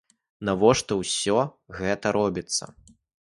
Навошта ўсё гэта робіцца?